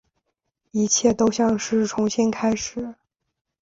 一切都像是重新开始